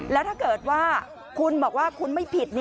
แล้วถ้าเกิดว่าคุณบอกว่าคุณไม่ผิด